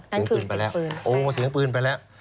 นั่นคือเสียงปืนใช่โอ้เสียงปืนไปแล้ว